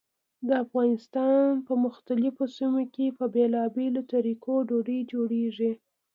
د افغانستان په مختلفو سیمو کې په بېلابېلو طریقو ډوډۍ جوړېږي.